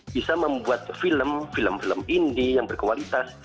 bisa membuat film film indi yang berkualitas